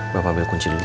bapak ambil kunci dulu ya